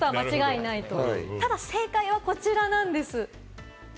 ただ正解はこちらなんです。